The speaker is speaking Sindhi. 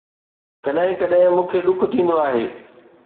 ڪڏهن ڪڏهن مون کي ڏک ٿيندو آهي